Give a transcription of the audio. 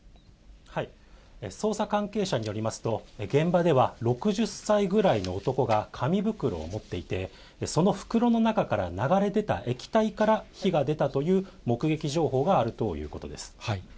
捜査関係者によりますと、現場では６０歳ぐらいの男が紙袋を持っていて、その袋の中から流れ出た液体から火が出たという目撃情報があるということです。